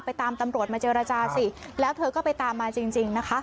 ตามตำรวจมาเจรจาสิแล้วเธอก็ไปตามมาจริงจริงนะคะ